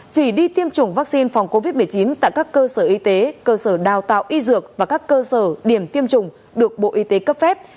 chỉ đi tiêm chủng vaccine phòng covid một mươi chín tại các cơ sở y tế cơ sở đào tạo y dược và các cơ sở điểm tiêm chủng được bộ y tế cấp phép